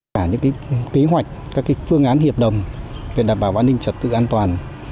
cả những kế hoạch các phương án hiệp đồng về đảm bảo an ninh trật tự an toàn